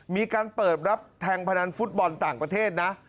มีการเปิดรับแทงพนันฟุตบอลต่างประเทศนะ